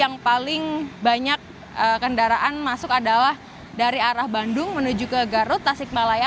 yang paling banyak kendaraan masuk adalah dari arah bandung menuju ke garut tasikmalaya